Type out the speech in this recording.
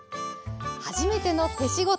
「はじめての手仕事」